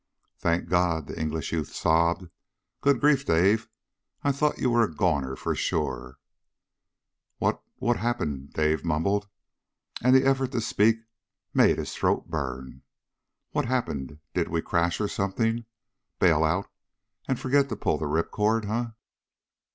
"Thank God!" the English youth sobbed. "Good grief, Dave, I thought you were a goner for sure!" "What what happened?" Dave mumbled, and the effort to speak made his throat burn. "What happened? Did we crash or something? Bail out and forget to pull the rip cord, huh?"